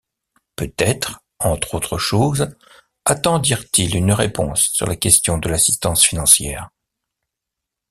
Peut-être, entre autres choses, attendirent-ils une réponse sur la question de l'assistance financière.